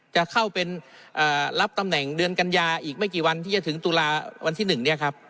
จะเข้าเป็นรับตำแหน่งเดือนกัญญาอีกไม่กี่วันที่จะถึงตุลาวันที่๑เนี่ยครับ